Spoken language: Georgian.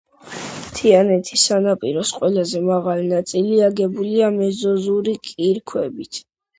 მთიანეთის სანაპიროს ყველაზე მაღალი ნაწილი აგებულია მეზოზოური კირქვებით.